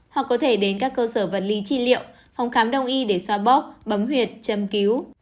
hoặc có thể đến các cơ sở vật lý trị liệu phòng khám đông y để xoa bóp bấm huyệt châm cứu